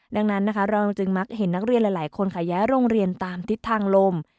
ดังนั้นนะคะเราจึงมักเห็นนักเรียนหลายคนค่ะย้ายโรงเรียนตามทิศทางลม